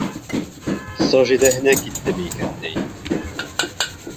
Сажидәһенә киттеме икән ни?